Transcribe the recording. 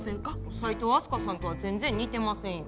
齋藤飛鳥さんとは全然似てませんよ。